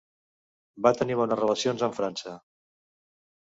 Va tenir bones relacions amb França.